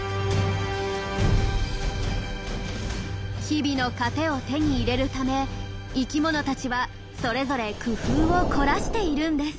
日々の糧を手に入れるため生きものたちはそれぞれ工夫を凝らしているんです。